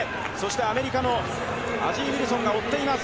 アメリカのアジー・ウィルソンが追っています。